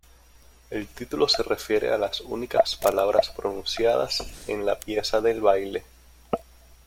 El título se refiere a las únicas palabras pronunciadas en la pieza de baile.